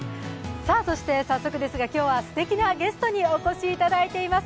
そして早速ですが、今日はすてきなゲストにお越しいただいています。